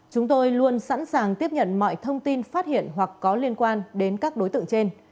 chúng tôi luôn sẵn sàng tiếp nhận mọi thông tin phát hiện hoặc có liên quan đến các đối tượng trên